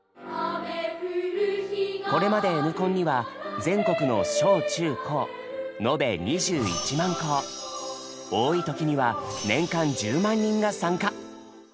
これまで「Ｎコン」には全国の小・中・高多い時には年間１０万人が参加。